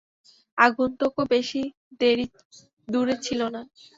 আগন্তুকও বেশি দূরে ছিল না।